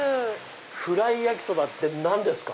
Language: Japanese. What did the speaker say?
ふらいやきそばって何ですか？